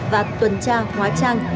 và tuần tra hóa trang